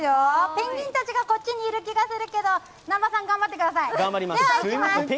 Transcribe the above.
ペンギンたちがこっちにいる気がしますけど南波さん、頑張ってください。